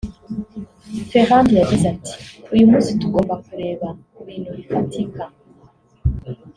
Ferrand yagize ati “Uyu munsi tugomba kureba ku bintu bifatika